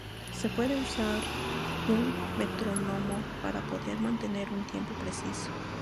Se puede usar un metrónomo para poder mantener un tiempo preciso.